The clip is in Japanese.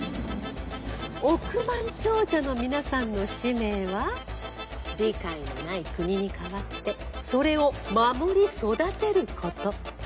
億万長者の皆さんの使命は理解のない国に代わってそれを守り育てること。